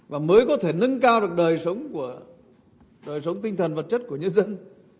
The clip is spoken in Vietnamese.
và mới có thể nâng cao được đời sống của đời sống tinh thần vật chất của nhân dân